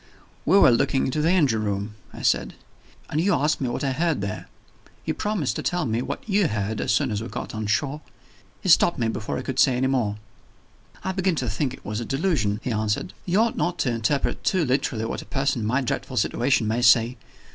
"We were looking into the engine room," I said; "and you asked me what I heard there. You promised to tell me what you heard, as soon as we got on shore " He stopped me, before I could say more. "I begin to think it was a delusion," he answered. "You ought not to interpret too literally what a person in my dreadful situation may say.